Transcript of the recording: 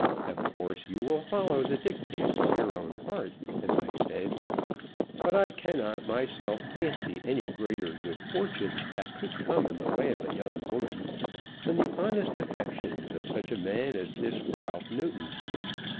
Of course you will follow the dictates of your own heart, as I said; but I cannot myself fancy any greater good fortune that could come in the way of a young woman than the honest affections of such a man as this Ralph Newton."